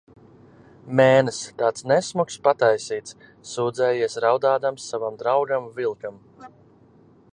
Mēness, tāds nesmuks pataisīts, sūdzējies raudādams savam draugam vilkam.